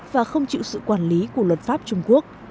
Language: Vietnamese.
và không chịu sự quản lý của luật pháp trung quốc